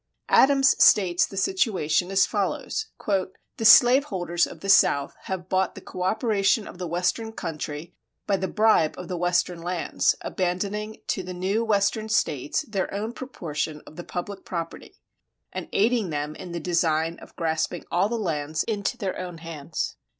Adams states the situation as follows: "The slaveholders of the South have bought the coöperation of the western country by the bribe of the western lands, abandoning to the new Western States their own proportion of the public property and aiding them in the design of grasping all the lands into their own hands."